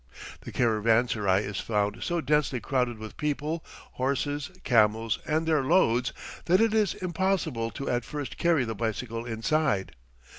The caravanserai is found so densely crowded with people, horses, camels, and their loads that it is impossible to at first carry the bicycle inside.